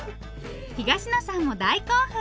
東野さんも大興奮。